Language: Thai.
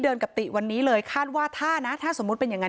กับติวันนี้เลยคาดว่าถ้านะถ้าสมมุติเป็นอย่างนั้น